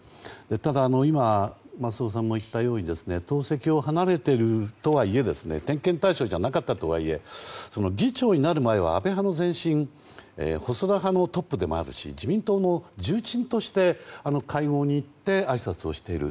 ただ、松尾さんが言ったように党籍を離れているとはいえ点検対象ではなかったとはいえ議長になる前は安倍派の前進細田派のトップでもあるし自民党の重鎮として会合に行ってあいさつをしている。